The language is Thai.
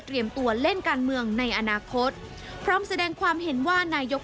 ตัวเล่นการเมืองในอนาคตพร้อมแสดงความเห็นว่านายก